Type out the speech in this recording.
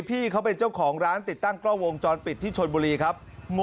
พี่เขาเป็นเจ้าของร้านติดตั้งกล้องวงจรปิดที่ชนบุรีครับ